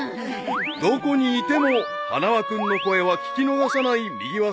［どこにいても花輪君の声は聞き逃さないみぎわさんである］